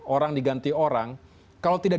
orang diganti orang kalau tidak